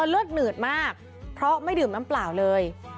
เลือดหนืดมากเพราะไม่ดื่มน้ำเปล่าเลย